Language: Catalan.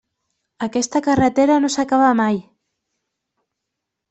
Aquesta carretera no s'acaba mai.